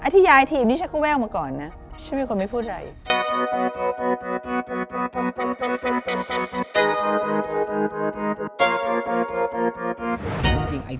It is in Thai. อธิายทีมนี้ฉันก็ว่าก่อนนะฉันเป็นคนไม่พูดอะไร